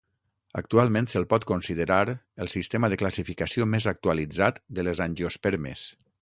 Actualment se'l pot considerar el sistema de classificació més actualitzat de les angiospermes.